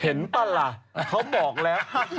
เห็นป่ะล่ะเค้าบอกแล้ว